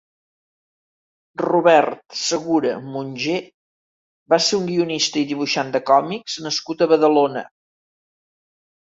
Robert Segura Mongé va ser un guionista i dibuixant de còmics nascut a Badalona.